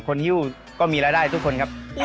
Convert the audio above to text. ฮิ้วก็มีรายได้ทุกคนครับ